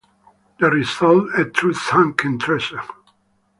The result: a true sunken treasure.